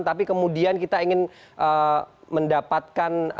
tapi kemudian kita ingin mendapatkan